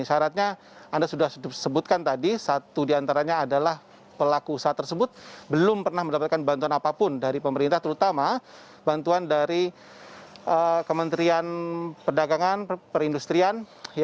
jadi syaratnya anda sudah sebutkan tadi satu diantaranya adalah pelaku usaha tersebut belum pernah mendapatkan bantuan apapun dari pemerintah terutama bantuan dari kementerian perdagangan perindustrian